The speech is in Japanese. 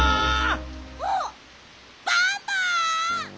あっバンバン！